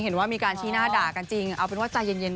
เห็นว่ามีการชี้หน้าด่ากันจริงเอาเป็นว่าใจเย็น